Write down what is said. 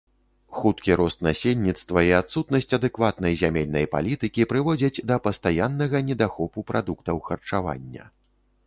Хуткі рост насельніцтва і адсутнасць адэкватнай зямельнай палітыкі прыводзяць да пастаяннага недахопу прадуктаў харчавання.